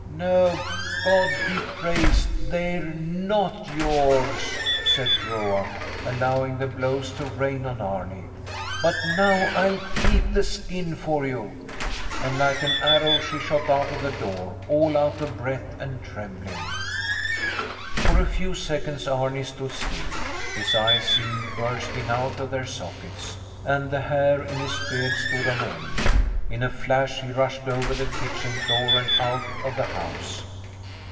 No, God be praised, they're not yours, said Groa, allowing the blows to rain on Arni. But now I'll keep the skin for you. And like an arrow she shot out of the door, all out of breath and trembling. For a few seconds Arni stood still. His eyes seemed bursting out of their sockets, and the hair in his beard stood on end. In a flash he rushed over the kitchen floor and out of the house.